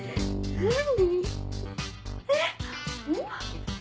うん！